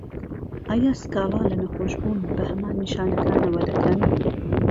ئایا سکاڵا له نەخۆشبوون بە هەمان نیشانەکانەوه دەکەن؟